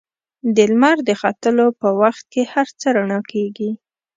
د لمر د ختلو په وخت کې هر څه رڼا کېږي.